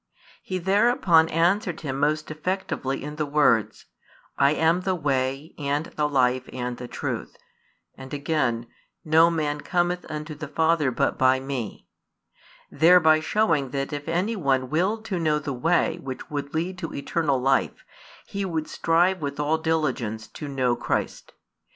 He thereupon answered him most effectively in the words: I am the Way, and the Life, and the Truth; and again: No man cometh unto the Father but by Me; thereby shewing that if any one willed to know the way which would lead to eternal life, he would strive with all diligence to know Christ.